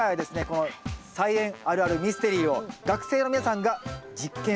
この菜園あるあるミステリーを学生の皆さんが実験してくれました。